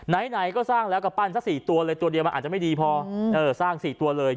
ไหนก็สร้างแล้วก็ปั้นสัก๔ตัวเลยตัวเดียวมันอาจจะไม่ดีพอสร้าง๔ตัวเลย